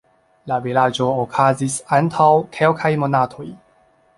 La vigliĝo okazis antaŭ kelkaj monatoj.